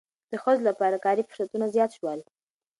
د ښځو لپاره کاري فرصتونه زیات شول.